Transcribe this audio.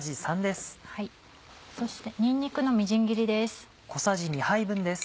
そしてにんにくのみじん切りです。